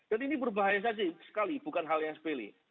dan ini berbahaya saja sekali bukan hal yang sepilih